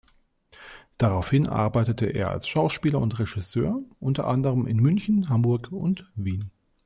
Daraufhin arbeitete er als Schauspieler und Regisseur, unter anderem in München, Hamburg und Wien.